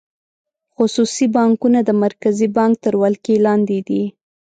خصوصي بانکونه د مرکزي بانک تر ولکې لاندې دي.